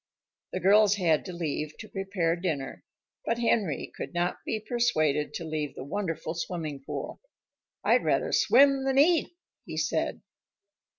The girls had to leave to prepare dinner, but Henry could not be persuaded to leave the wonderful swimming pool. "I'd rather swim than eat," he said.